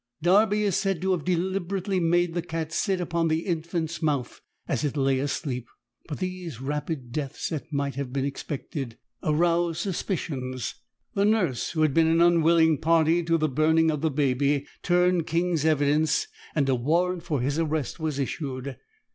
Darby is said to have deliberately made the cat sit upon the infant's mouth as it lay asleep. But these rapid deaths, as might have been expected, aroused suspicions. The nurse, who had been an unwilling party to the burning of the baby, turned King's Evidence, and a warrant for his arrest was issued.